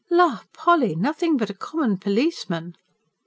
"La, Polly! Nothing but a common policeman!"